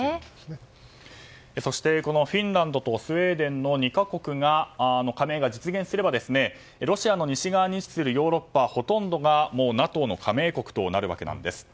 そして、このフィンランドとスウェーデンの２か国の加盟が実現すればロシアの西側に位置するヨーロッパはほとんどがＮＡＴＯの加盟国となるわけなんです。